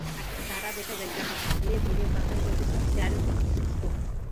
আকাশের তারা দেখা যাইতেছে, ধীরে ধীরে বাতাস বহিতেছে, চারিদিক স্তব্ধ।